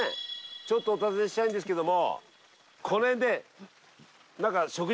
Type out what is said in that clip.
ちょっとお尋ねしたいんですけども。